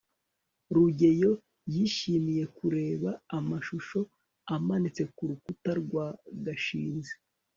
rugeyo yishimiye kureba amashusho amanitse ku rukuta rwa gashinzi